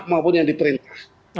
maupun yang diperintah